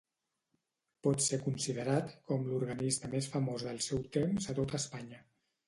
Pot ser considerat com l'organista més famós del seu temps a tot Espanya.